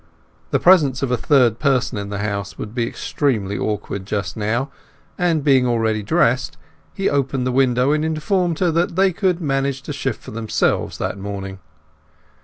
The presence of a third person in the house would be extremely awkward just now, and, being already dressed, he opened the window and informed her that they could manage to shift for themselves that morning.